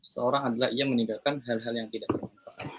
seorang adalah ia meninggalkan hal hal yang tidak diperlukan